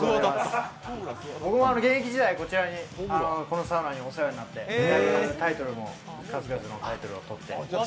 僕も現役時代、このサウナにお世話になって数々のタイトルを取って。